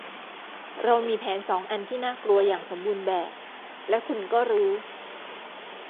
เรามีแผนสองอันที่น่ากลัวอย่างสมบูรณ์แบบและคุณก็รู้